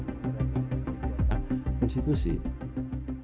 ketua kpu ri hashir mengejutkan publik